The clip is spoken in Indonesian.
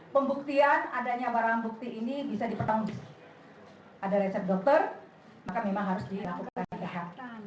pembuktian adanya barang bukti ini bisa dipertanggungjawab pada resep dokter maka memang harus dilakukan kesehatan